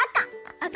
あか？